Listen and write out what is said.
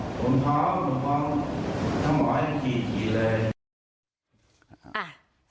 อ่าค่ะ